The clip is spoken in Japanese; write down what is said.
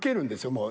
もう。